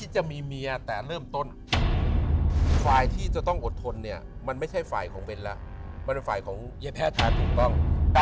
จับถึงสี่ศิงหาปันทอง